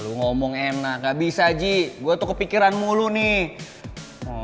lo ngomong enak gak bisa ji gue tuh kepikiran mulu nih